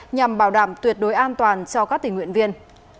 nhằm bảo đảm tuyệt đối an toàn cho các tình nguyện viên